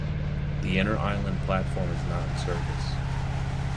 The inner island platform is not in service.